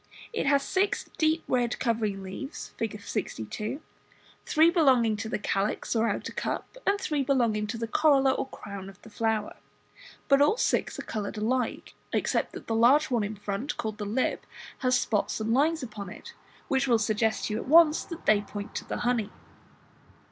It has sic deep red covering leaves, Fig. 62, three belonging to the calyx or outer cup, and three belonging to the corolla or crown of the flower; but all six are coloured alike, except that the large on in front, called the "lip", has spots and lines upon it which will suggest to you at once that they point to the honey.